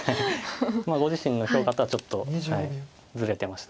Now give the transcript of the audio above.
ご自身の評価とはちょっとずれてました。